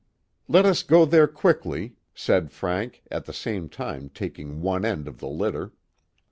" Let us go there quickly," said Frank, at the same time taking one end of the litter.